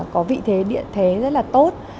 có vị thế địa thế rất là tốt